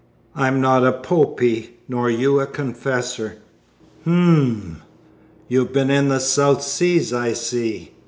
"I'm not a Popey nor you a confessor." "H'm! You've been in the South Seas, I see."